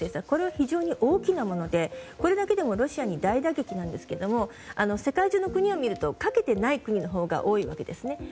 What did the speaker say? これは非常に大きなものでこれだけでもロシアに大打撃なんですけれども世界中の国を見るとかけていない国のほうが多いんですね。